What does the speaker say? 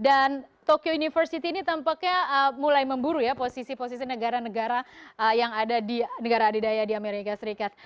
dan tokyo university ini tampaknya mulai memburu ya posisi posisi negara negara yang ada di negara adidaya di amerika serikat